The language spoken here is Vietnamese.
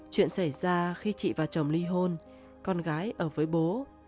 chuyện xảy ra khi chị và chồng ly hôn con gái ở với bố